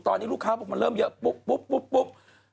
ตอนนี้ลูกค้าบอกมันเริ่มเยอะปุ๊บปุ๊บ